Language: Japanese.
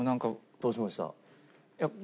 どうしました？